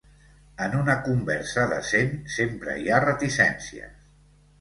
En una conversa decent sempre hi ha reticències.